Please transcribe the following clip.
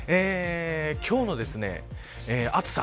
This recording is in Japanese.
今日の暑さ